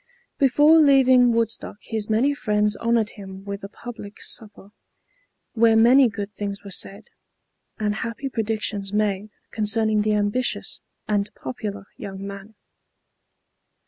Before leaving Woodstock his many friends honored him with a public supper, where many good things were said and happy predictions made concerning the ambitious and popular young man.